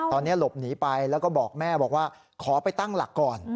ตอนนี้หลบหนีไปแล้วก็บอกแม่บอกว่าขอไปตั้งหลักก่อน